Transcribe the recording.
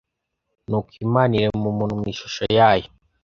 Nuko Imana irema umuntu mu ishusho yayo,